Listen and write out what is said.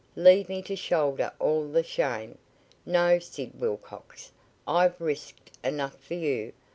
"Leave me to shoulder all the shame. No, Sid Wilcox! I've risked enough for you!